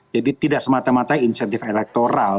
jadi tidak semata matanya insentif elektoral